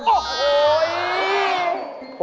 โอ้โห